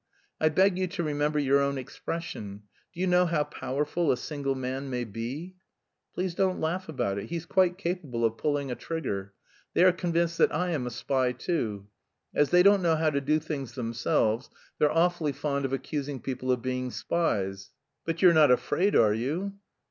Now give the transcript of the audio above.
I beg you to remember your own expression: 'Do you know how powerful a single man may be?' Please don't laugh about it, he's quite capable of pulling a trigger. They are convinced that I am a spy too. As they don't know how to do things themselves, they're awfully fond of accusing people of being spies." "But you're not afraid, are you?"